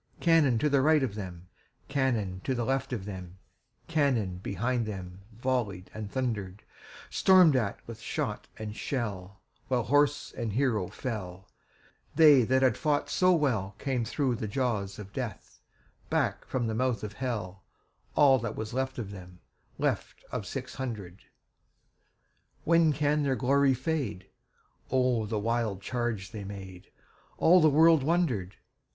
Cannon to right of them, Cannon to left of them, Cannon behind themVolley'd and thunder'd; Storm'd at with shot and shell, While horse and hero fell, They that had fought so wellCame thro' the jaws of Death, Back from the mouth of Hell, All that was left of them, Left of six hundred. When can their glory fade?O the wild charge they made! All the world wonder'd.